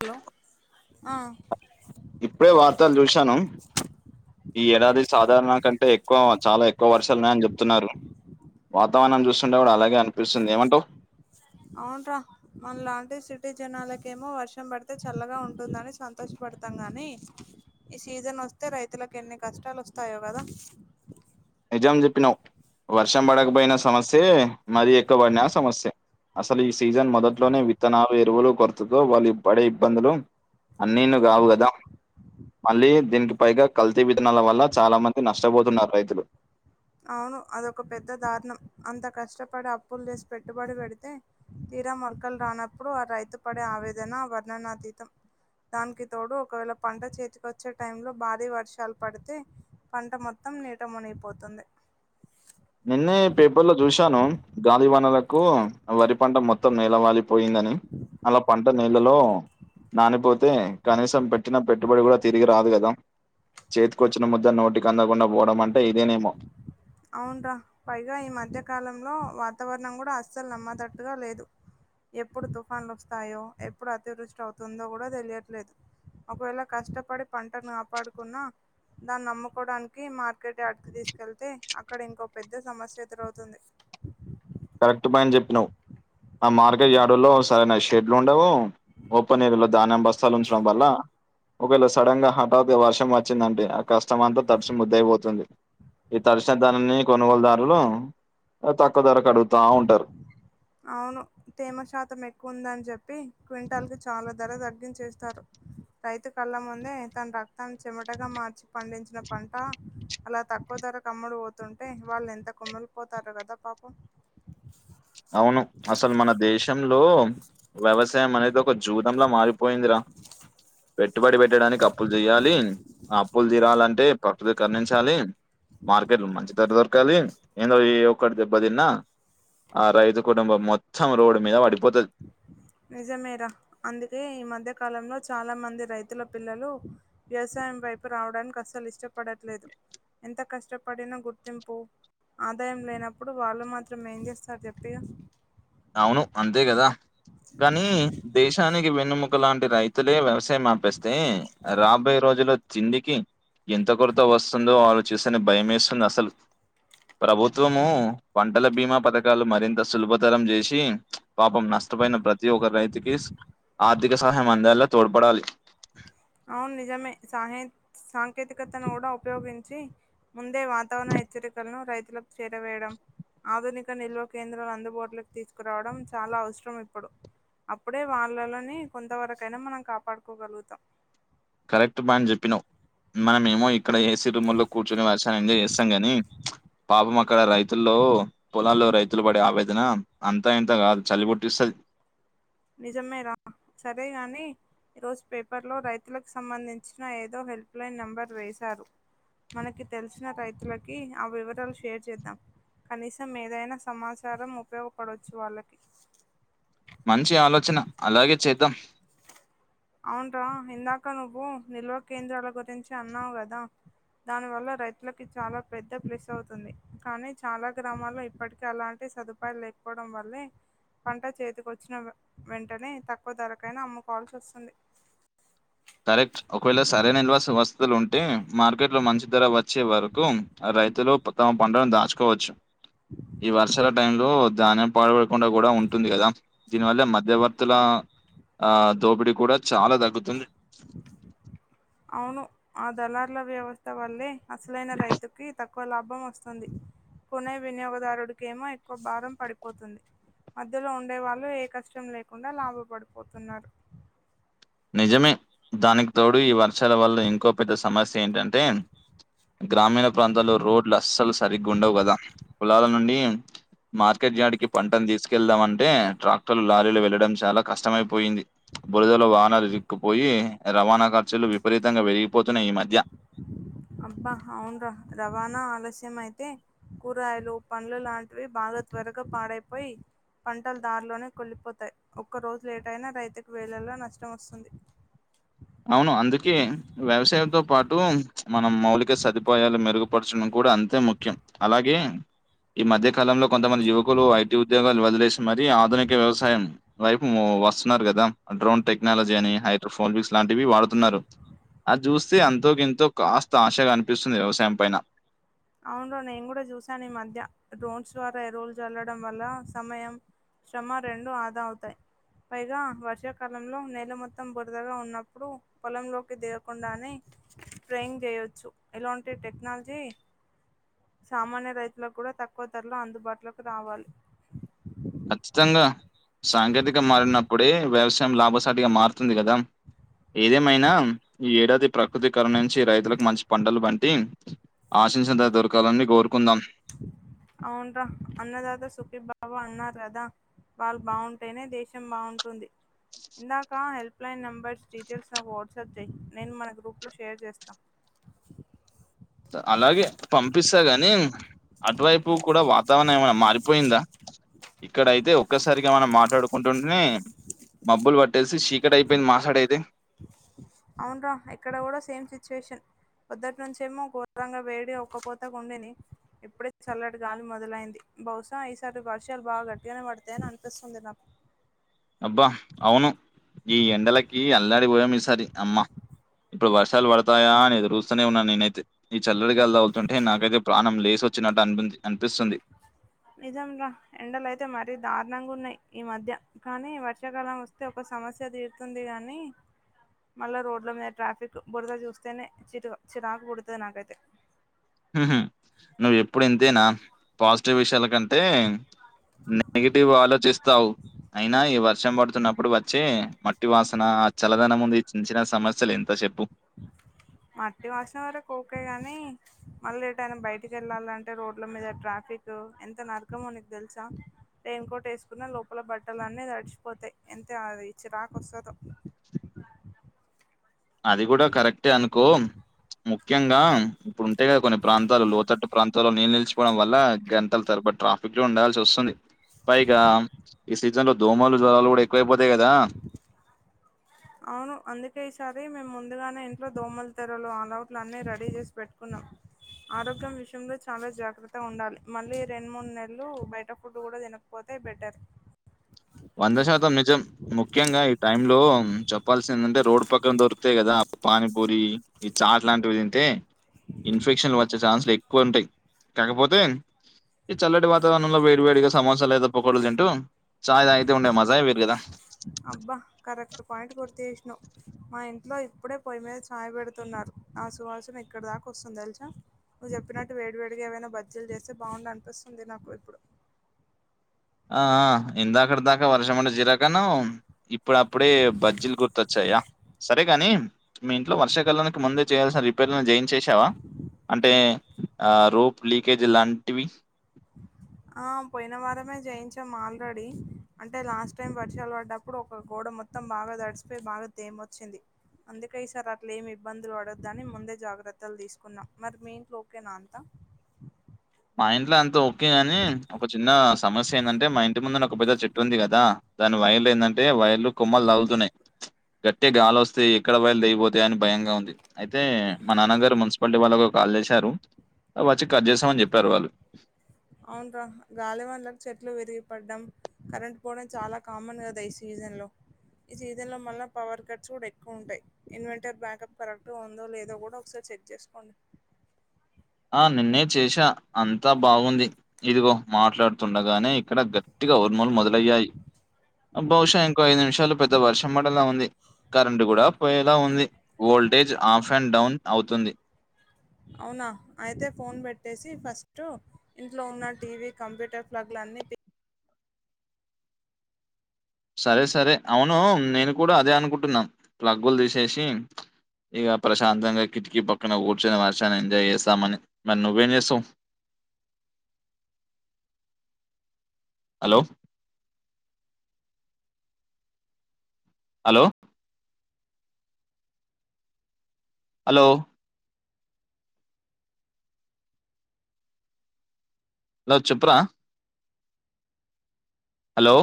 Hello ఆ ఇప్పుడే వార్తలు చూశాను ఈ ఏడాది సాధారణ కంటే ఎక్కువ చాలా ఎక్కువ వర్షాలున్నాయని చెప్తున్నారు వాతావరణం చూస్తుంటే కూడా అలాగే అనిపిస్తుంది ఏమంటవ్ అవున్రా మన లాంటి సిటీ జనాలకేమో వర్షం పడితే చల్లగా ఉంటుందని సంతోషపడతాం గానీ ఈ సీజన్ ఒస్తే రైతులకు ఎన్ని కష్టాలు ఒస్తాయో కదా నిజం చెప్పినవు వర్షం పడకపోయినా సమస్యే మరి ఎక్కువబడినా సమస్యే అసలు ఈ సీజన్ మొదట్లోనే విత్తనాలు ఎరువులు కొరతో వాళ్ళు పడే ఇబ్బందులు అన్నీ నువ్వు కాదు కదా మళ్ళీ దీనికి పైగా కల్తీ విత్తనాల వల్ల చాలా మంది నష్టపోతున్నారు రైతులు అవును అదొక పెద్ద దారుణం అంత కష్టపడి అప్పులు చేసి పెట్టుబడి పెడితే తీరా మొల్కలు రానప్పుడు ఆ రైతు పడే ఆవేదన వర్ణనాదీతం దానికి తోడు ఒకవేళ పంట చేతికి ఒచ్చే టైంలో భారీ వర్షాలు పడితే పంట మొత్తం నీట మునిగిపోతుంది నిన్నే పేపర్ లో చూశాను గాలి వనలకు వరి పంట మొత్తం నేలవాలి. పోయిందని అలా పంట నీళ్ళలో. నానిపోతే కనీసం పెట్టిన పెట్టుబడి కూడా తిరిగి రాదు కదా. చేతికొచ్చిన ముద్ద నోటికి అందకుండా పోవడం అంటే ఇదేనేమో. అవున్ రా. పైగా ఈ మధ్యకాలంలో వాతావరణం కూడా అస్సలు నమ్మదట్టుగా లేదు. ఎప్పుడు తుఫాన్లు వస్తాయో ఎప్పుడు అతివృష్టి అవుతుందో కూడా తెలియట్లేదు. ఒకవేళ కష్టపడి పంటను కాపాడుకున్నా దాన్ని అమ్ముకోడానికి. మార్కెట్ అయాడ్ క తీసుకెళ్తే అక్కడ ఇంకో పెద్ద సమస్య ఎదురవుతుంది. కరెక్ట్ పాయింట్ చెప్పినావు ఆ మార్కెట్ యార్డులో సరియినా షెడ్లు ఉండవు. ఓపెన్ ఏరియా లో ధాన్యం బస్తాలు ఉంచడం వల్ల ఒకవేళ సడన్ గా హమ్. అ వర్షం వచ్చిందంటె ఆ కష్టం అంతా తడిచి ముద్దుయిపోతుంది. ఈ తడ్చినధనాన్ని కొనుగోలుదారులు తక్కువ ధరకు అడుగుతా ఉంటారు. అవును తేమ శాతం ఎక్కువ ఉందని చెప్పి క్వింటాల్ కి చాలా ధర తగ్గించేస్తారు. రైతు కళ్ళ ముందే తన రక్తాన్ని చెమటగా మార్చి పండించిన పంట అలా తక్కువ ధరక్. కమ్ముడు పోతుంటే వాళ్ళు ఎంత కుమిలి పోతారో కదా పాపం. అవును అసలు మన దేశంలో వ్యవసాయం అనేది. ఒక జూదంలా మారిపోయిందిరా. పెట్టుబడి పెట్టడానికి అప్పులు చెయాలి ఆ అప్పులు తీరాలంటే. కక్ ద కరణించాలి మార్కెట్ లో మంచి ధర దొరకాలి ఏందో ఏ ఒక్కటి దెబ్బ తిన్నా. ఆ రైతు కుటుంబం మొత్తం రోడ్డు మీద పడిపోతది. నిజమేరా అందుకే ఈ మధ్య కాలంలో చాలా మంది రైతుల పిల్లలు. వ్యవసాయం వైపు రావడానికి అసలు ఇష్టపడట్లేదు ఎంత కష్టపడినా గుర్తింపు. ఆదాయం లేనప్పుడు వాళ్ళు మాత్రం ఏం చేస్తారు చెప్పిఇగ. అవును అంతే కదా కానీ దేశానికి వెన్నుముక లాం. రైతులే వ్యవసాయం ఆపేస్తే రాబోయే రోజుల్. చిండికి ఎంత కొరత వస్తుందో ఆలోచిస్తానే భయమేస్తుంది అసలు. ప్రభుత్వము పంటల బీమా పథకాలు మరింత సులభ. చేసి పాపం నష్టపోయిన ప్రతి ఒక్క రైతుకి ఆర్థిక సహాయం అంద. లా తోడ్పడాలి. అవును నిజమే సాహె సాంకేతికతను కూడా ఉపయోగించి. ముందే వాతావరణ హెచ్చరికలను రైతులకు చేరవేయడం. ఆధునిక నిల్వ కేంద్రాలు అందుబాటులోకి తీసుకురావడం చాలా అవసరం ఇప్పుడు. అప్పుడే వాళ్ళలోని కొంతవరకైనా మనం కాపాడుకోగలుగుతాం. కరెక్ట్ పాయింట్ చెప్పినావ్ మనమ ఏమో ఇక్కడ ఏసీ రూమ్ లో కూర్చునే వ. గాని ఎంజాయ్ చేస్తాం కానీ పాపం అక్కడ రైతుల్లో. పొలాల్లో రైతులు పడే ఆవేదన అంతా ఎంత కాదు చలి పుట్టిస్తది. నిజమే రా సరే గాని. ఈ రోజు పేపర్లో రైతులకు సంబంధించిన ఏదో హెల్ప్ లైన్ నెంబర్ వేశారు. మనకి తెలిసిన రైతులకి ఆ వివరాలు షేర్ చేద్దాం. కనీసం ఏదైనా సమాచారం ఉపయోగపడవచ్చు వాళ్ళకి. మంచి ఆలోచన అలాగే చేద్దాం. అవునుర ఇందాక నువ్వు నిల్వ కేంద్రాల గురించి అన్నావు కదా. దాని వల్ల రైతులకి చాలా పెద్ద ప్లెస్ అవుతుంది కానీ చాలా గ్రామాల్లో ఇప్పటిక అలాంటి సదు. రూపాయలు లేపోవడం వల్లే పంట చేతికి వచ్చిన వెంటనే తక్కువ ధరక్. కేనా అమ్ముకోవాల్సి వస్తుంది కరెక్ట్ ఒకవేళ సరైన ఇన్వాస్ వస్తులు ఉంటే మార్కెట్ లో మంచి ధర వచ్చి వరకు రైతులు తమ పంటలను దాచుకోవచ్చు ఈ వర్షాల టైంలో ధాన్యం పాడపడకుండా కూడా ఉంటుంది కదా దీని వల్ల మధ్యవర్తుల ఆ దోపిడీ కూడా చాలా తగ్గుతుంది అవును ఆ దళారుల వ్యవస్థ వల్లే అసలైన రైతుకి తక్ కో లాభం వస్తుంది కొనే వినియోగదారుడికేమో ఎక్కువ భారం పడిపోతుంది మధ్యలో ఉండే వాళ్ళు ఏ కష్టం లేకుండా లాభ పడిపోతున్నారు నిజమే దానికి తోడు ఈ వర్షాల వల్ల ఇంకో పెద్ద సమస్య ఏంటంటే గ్రామీణ ప్రాంతల్లో రోడ్లు అస్సలు సరిగ్గా ఉండవు కదా పొలాల నుండి మార్కెట్ యార్డ్ కి పంటను తీసుకెళ్దామంటే ట్రాక్టర్లు లారీలు వెళ్లడం చాలా కష్టమైపోయింది బురదలో వాహనాలు ఇరుక్కుపోయి రవాణా ఖర్చులు విపరీతంగా పెరిగిపోతున్నాయి ఈ మధ్య అబ్బా అవును రా రవాణా ఆలస్యం అయితే కూరయలు పండ్ల లాంటివి బాగా త్వరగా పాడైపోయి పంటలు దారిలోనే కుల్లిపోతాయి ఒక్క రోజు లేట్ అయినా రైతుకు వేళలో నష్టం వస్తుంది అవును అందుకే వ్యవసాయంతో పాటు టు మనం మౌలిక సదుపాయాలు మెరుగుపరచడం కూడా అంతే ముఖ్యం అలాగే ఈ మధ్య కాలంలో కొంతమంది యువకులు ఐటీ ఉద్యోగాలు వదిలేసి మరియు ఆధునిక వ్యవసాయం వైప్ వస్తున్నారు కదా డ్రోన్ టెక్నాలజీ అని హైడ్రోఫోన్ బిక్స్ ఇలాంటివి వాడుతున్నారు అది చూస్తే అంతో కింతో కాస్త ఆశగా అనిపిస్తుంది వ్యవసాయం పైన అవున్ రో నేను కూడా చూశాను ఈ మధ్య డ్రోన్స్ ద్వారా ఎరువులు చల్లడం వల్ల సమయం శ్రమ రెండు ఆదా అవుతాయి పైగా వర్షాకాలంలో నేల మొత్తం బురదగా ఉన్నప్పుడు పొలంలోకి దిగకుండానే ట్రయింగ్ చేయొచ్చు ఇలాంటి టెక్నాలజీ సామాన్య రైతులకు కూడా తక్కువ ధరలో అందుబాటులోకి రావాలి ఖచ్చితంగా సాంకేతిక మారినప్పుడే వ్యవసాయం లాభసాటిగా మారుతుంది కదా ఏదేమైనా ఈ ఏడాది ప్రకృతి కరునించి రైతులకు మంచి పంటలు బండి ఆశించినంత దొరకాలని కోరుకుందాం అవునురా అన్నదాత సుఖీబవా అన్నరు కదా వాళ్ళు బాగుంటేనే దేశం బాగుంటుంది ఇందాక హెల్ప్లైన్ నెంబర్స్ డీటెయిల్స్ నాకు వాట్సాప్ చెయి నేను మన గ్రూప్లో షేర్ చేస్తాను అలాగే పంపిస్తా గాని అటువైపు ప్పు కూడా వాతావరణం ఏమనా మారిపోయిందా ఇక్కడ అయితే ఒక్కసారిగా మనం మాట్లాడుకుంటుంటేనే మబ్బులు పట్టేసి చీకటి అయిపోయింది మాసాడేది అవున్రా ఇక్కడ కూడా సేమ్ సిచ్యువేషన్ పొదటినుంచేమో ఘోరంగా వేడి ఒక్కపోత కుండిని ఇప్పుడే చల్లటి గాలి మొదలైంది బహుశా ఈ సారి వర్షాలు బాగా గట్టిగానే పడతాయని అనిపిస్తుంది నాకు అబ్బా అవును ఈ ఎండలకి కీ అల్లాడి పోయాం ఈ సారి అమ్మా ఇప్పుడు వర్షాలు పడతాయా అని ఎదురు తనే ఉన్న నేనైతే ఈ చల్లడిగాల తళ్తుంటే నాకైతే ప్రాణం లేసి వచ్చినట్టు అనిపిది అనిపిస్తుంది నిజంరా ఎండలు అయితే మరీ దారుణంగా ఉన్నాయి ఈ మధ్య కానీ వర్షాకాలం వస్తే ఒక సమస్య తీరుతుంది గానీ మళ్ళా రోడ్ల మీద ట్రాఫిక్, బురద చూస్తేనే చిరు చిరాకు పుడతది నాకైతే. ఉహు నువ్వు ఎప్పుడు ఇంతేనా, పాజిటివ్ విషయాల కం టే నెగిటివ్ గా ఆలోచిస్తావు. అయినా ఈ వర్షం పడుతున్నప్పుడు వచ్చే మట్ ట్టి వాసన ఆ చల్లదనము ముందు ఈ చిన్న చిన్న సమస్యలు ఎంత చెప్పు? మాట్టి వాసన వరకోకే గానీ మళ్ళీ ఏటైనా బయటికెళ్ళాలంటే రోడ్ల మీద ట్రాఫిక్ ఎంత నరకమో నీకు తెలుసా? రెయిన్ కోట్ ఏసుకున్న లోపల బట్టలు అన్నీ తడిచిపోతయి, ఎంతే అది చిరాకు వస్తదో అది గుడ కరెక్టే అనుకో. ముఖ్యంగా ఉంటయ్ గా కొన్ని ప్రాంతాలు లోతట్టు ప్రాంతాల్లో నీళ్ళు నిలిచిపోవడం వల్ల గంటలు తరబడి ట్రా ఫిక్ ఉండాల్సి వస్తుంది, పైగా ఈ సీజన్ లో దోమలు జ్వరాలు గుడ ఎక్కువైపోతయి కదా. అవును అందుకే ఈసారి మేము ముందుగానే ఇంట్లో దోమల తెరలు, అలౌట్లు అన్నీ రెడీ చేసి పెట్టుకున్నం. ఆరోగ్యం విషయంలో చాలా జాగ్రత్త ఉండాలి, మళ్ళీ రెండు మూడు నెలలు బయట ఫుడ్ గుడ తిన పోతే బెటర్ వంద శాతం నిజం. ముఖ్యంగా ఈ టైం లో చెప్పాల్సిందంటే రోడ్డు పక్కక దొరుకుతయి కదా పానిపూరి ఈ చాట్ లాంటివి తింటే, ఇన్ఫెక్షన్లు వచ్చే ఛాన్సులు ఎక్కువ ఉంటయి, కాకపోతే ఈ చల్లటి వాతావరణంలో వేడి వేడిగా సమోసా లేదా పొకొడ తింటూ చాయ్ తాగితే ఉండే మజా ఏ వేరు గదా. అబ్బ కరెక్ట్ పాయింట్ గుర్తుచేసినవ్. మా ఇంట్లో ఇప్పుడే పొయ్ మీద చాయి పెడుతున్నారు, ఆ సువాసన ఇక్కడ దాకా వస్తుంది తెలుసా? నువ్వు చెప్పినట్టు వేడి వేడిగా ఏవైనా బజ్జీలు చేస్తే బాఉండు అనిపిస్తుంది నాకు ఇప్పుడు. ఆ ఆ ఇందాకడ దాక వర్షం మన్ చిరాకన్నవ్ ఇప్పుడ అప్పుడే బజ్జీలు గుర్తొచ్చాయా? సరే గాని మీ ఇంట్లో వర్షాకాలానికి ముందే చేయాల్సిన రిపేర్లను జయిన్ చేషావా? అంటే ఆ రోప్ లీకేజ్ లాంటివి. ఆ పోయిన వారమే జేయించాం ఆల్రెడీ. అంటే లాస్ట్ టైం వర్షాలు పడ్డప్పుడు ఒక గోడ మొత్తం బాగా దడిసిపోయి, బాగా తేమొచ్చింది. అందుకే ఈ సార్ అట్ల ఏం ఇబ్బందులు పడొద్దని ముందే జాగ్రత్తలు తీసుకున్న, మరి మీ ఇంట్లో ఓకేనా అంతా? మా ఇంట్లో అంత ఓకె గని, ఒక చిన్న సమస్య ఏందంటే మా ఇంటి ముందున ఒక పెద్ద చెట్టు ఉంది కదా, దాని వైర్లు ఏందంటే వైర్లు కొమ్మలు తగుతున్నయి. గట్టిగ గాలి వస్తే ఎక్కడ వైర్లు తెగి పోతయని భయంగా ఉంది, అయితే మా నాన్నగారు మున్సిపాలిటీ వాళ్ళకు కాల్ చేశారు, వచ్చి కట్ చేస్తామని చెప్పారు వాళ్ళు. అవును రా గాలి వానలకి చెట్లు విరిగిపడ్డం కరెంట్ పోవడం చాలా కామన్ కదా ఈ సీజన్ లో. ఈ సీజన్ లో మల్ల పవర్ కట్స్ గుడ ఎక్కువ ఉంటయి. ఇన్వెంటర్ బ్యాకప్ కరెక్ట్ గా ఉందో లేదో గుడ ఒకసారి చెక్ చేసుకోండి. ఆ నిన్నే చేసా అంతా బావుంది. ఇదిగో మాట్లాడుతుండగానే ఇక్కడ గట్టిగా ఉరుములు మొదలయ్యాయి. బహుశా ఇంకో ఐదు నిమిషాలు పెద్ద వర్షం పడేలా ఉంది, కరెంట్ గుడ పోయేలా ఉంది, వోల్టేజ్ ఆఫ్ అండ్ డౌన్ అవుతుంది అవునా అయితే ఫోన్ పెట్టేసి ఫస్టు ఇంట్లో ఉన్న టీ వీ, కంప్యూటర్ ప్లగ్లు అన్ని తీ సరే సరే అవును నేను కూడా అదే అనుకుంటున్నం, ప్లగ్గులు తీసేసి ఇగ ప్రశాంతంగా కిటికీ పక్కన కూర్చొని వర్షాన్ని ఎంజాయ్ చేస్సామని మరి నువ్వేం చేస్సావ్ హలో హలో హలో హలో చెప్పురా హలో